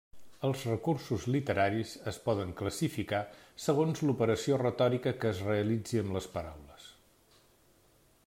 Els recursos literaris es poden classificar segons l'operació retòrica que es realitzi amb les paraules.